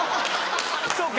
そうか。